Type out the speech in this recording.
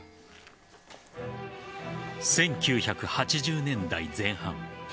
１９８０年代前半。